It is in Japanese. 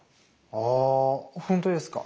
あぁほんとですか？